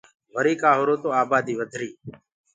وريٚ ڪآ هُرو تو آباديٚ وڌريٚ۔